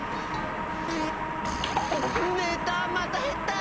メーターまたへった！